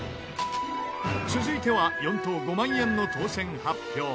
続いては４等５万円の当せん発表。